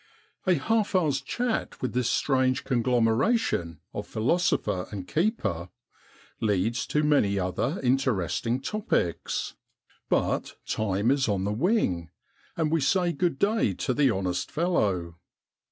' A half hour's chat with this strange conglomeration of philosopher and keeper leads to many other interesting topics, but time is on the wing, and we say good day to the honest fellow.